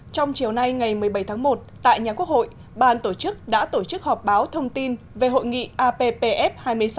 trong chiều nay ngày một mươi bảy tháng một tại nhà quốc hội ban tổ chức đã tổ chức họp báo thông tin về hội nghị appf hai mươi sáu